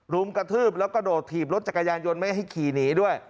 รุมกระทืบแล้วก็โดดถีบรถจักรยานยนต์ไม่ให้ขี่หนีด้วย